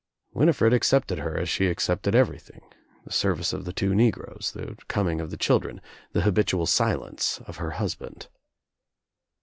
Winifred accepted her as she accepted everything, the service of the two negroes, the coming of the children, the habitual silence of her husband.